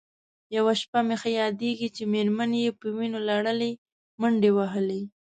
یوه شپه مې ښه یادېږي چې مېرمن یې په وینو لړلې منډې وهلې.